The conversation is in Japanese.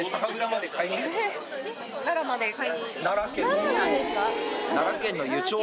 奈良なんですか？